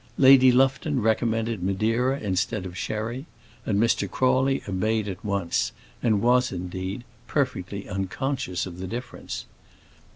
Lady Lufton recommended Madeira instead of Sherry, and Mr. Crawley obeyed at once, and was, indeed, perfectly unconscious of the difference.